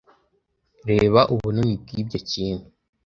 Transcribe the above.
Reba ubunini bwibyo kintu!